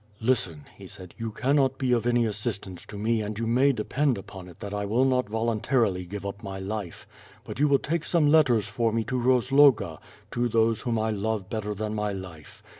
"Listen," he said, "you cannot be of any assistance to me and you may depend upon it that I will not voluntarily give up my life. But you will take some letters for me to Rozloga, to those whom I love better than my life.